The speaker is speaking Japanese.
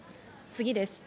次です。